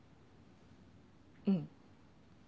うん。